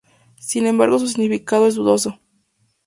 Sin embargo su significado es dudoso.